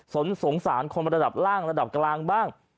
สงสารคนระดับล่างระดับกลางบ้าง